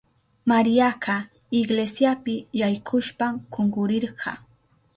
Mariaka iglesiapi yaykushpan kunkurirka.